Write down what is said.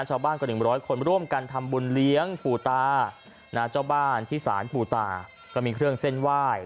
ชาวบ้านก็หนึ่งร้อยคนร่วมกันทำบุญเลี้ยงปู่ตานาเจ้าบ้านที่สารปู่ตาก็มีเครื่องเส้นไหว้